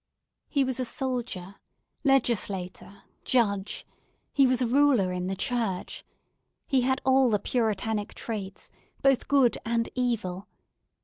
He was a soldier, legislator, judge; he was a ruler in the Church; he had all the Puritanic traits, both good and evil.